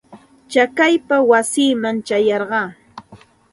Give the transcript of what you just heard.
Chakaypa wasiiman ćhayarqaa.